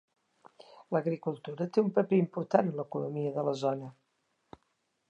L'agricultura té un paper important en l'economia de la zona.